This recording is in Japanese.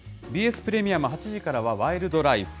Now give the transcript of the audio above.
ＢＳプレミアム、８時からはワイルドライフ。